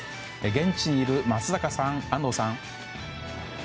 現地にいる松坂さん、安藤さん。